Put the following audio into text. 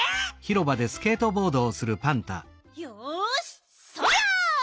よしそりゃ！